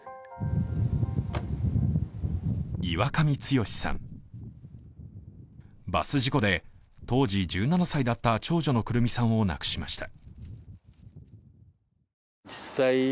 岩上剛さん、バス事故で当時１７歳だった長女の胡桃さんを亡くしました。